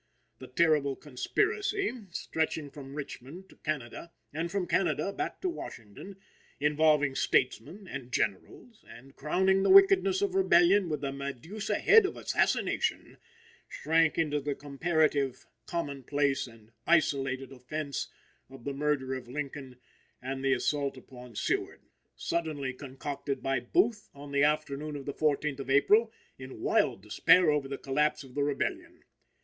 The terrible conspiracy, stretching from Richmond to Canada, and from Canada back to Washington, involving statesmen and generals, and crowning the wickedness of rebellion with the Medusa head of assassination, shrank into the comparatively common place and isolated offense of the murder of Lincoln and the assault upon Seward, suddenly concocted by Booth, on the afternoon of the 14th of April, in wild despair over the collapse of the rebellion.